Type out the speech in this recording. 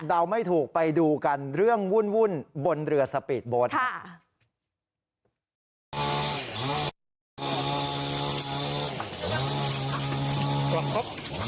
เดาไม่ถูกไปดูกันเรื่องวุ่นบนเรือสปีดโบ๊ทค่ะ